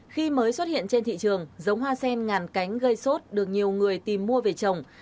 khi mới xuất hiện trên thị trường giống hoa sen ngàn cánh gây sốt được nhiều người tìm mua về trồng